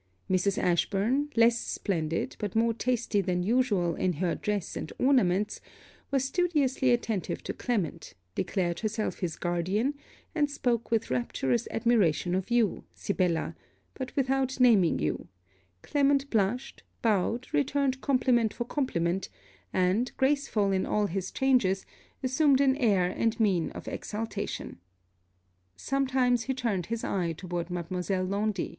Mrs. Ashburn, less splendid, but more tasty than usual in her dress and ornaments, was studiously attentive to Clement; declared herself his guardian; and spoke with rapturous admiration of you, Sibella, but without naming you, Clement blushed, bowed, returned compliment for compliment; and, graceful in all his changes, assumed an air and mien of exultation. Sometimes he turned his eye toward Mademoiselle Laundy.